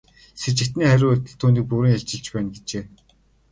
Сэжигтний хариу үйлдэл түүнийг бүрэн илчилж байна гэжээ.